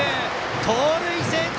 盗塁成功！